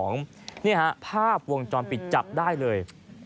นี่ฮะภาพวงจรปิดจับได้เลย